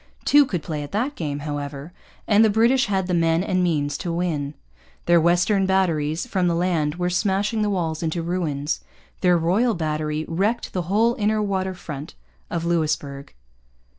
Two could play at that game, however, and the British had the men and means to win. Their western batteries from the land were smashing the walls into ruins. Their Royal Battery wrecked the whole inner water front of Louisbourg.